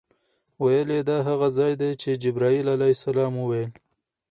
ویل یې دا هغه ځای دی چې جبرائیل علیه السلام وویل.